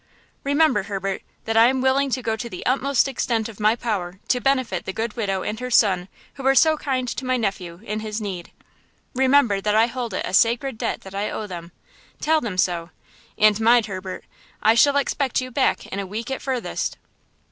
"Remember, Herbert, that I am willing to go to the utmost extent of my power to benefit the good widow and her son who were so kind to my nephew in his need. Remember that I hold it a sacred debt that I owe them. Tell them so. And mind, Herbert, I shall expect you back in a week at furthest."